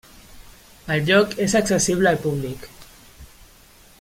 El lloc és accessible al públic.